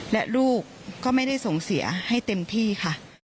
และลูกก็ไม่ได้ส่งเสียให้เต็มที่ค่ะ